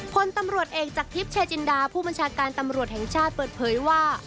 พลตำรวจเอกจากทิพย์ชายจินดาผู้บัญชาการตำรวจแห่งชาติเปิดเผยว่า